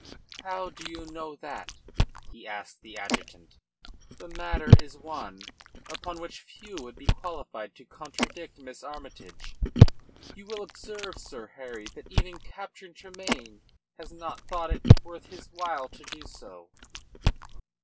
"How can you know that?" he asked the adjutant. "The matter is one upon which few would be qualified to contradict Miss Armytage. You will observe, Sir Harry, that even Captain Tremayne has not thought it worth his while to do so."